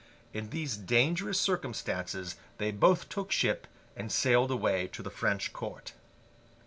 In these dangerous circumstances they both took ship and sailed away to the French court.